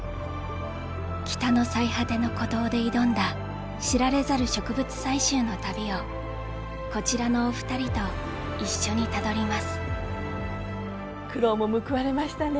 北の最果ての孤島で挑んだ知られざる植物採集の旅をこちらのお二人と一緒にたどります苦労も報われましたね！